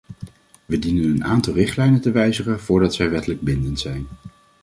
Wij dienen een aantal richtlijnen te wijzigen voordat zij wettelijk bindend zijn.